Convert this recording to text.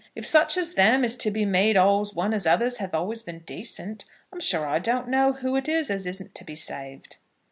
If such as them is to be made all's one as others as have always been decent, I'm sure I don't know who it is as isn't to be saved."